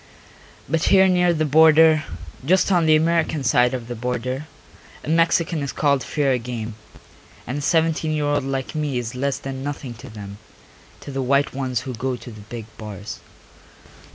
But here near the border, just on the American side of the border, a Mexican is called fair game, and a seventeen year old like me is less than nothing to them, to the white ones who go to the big bars.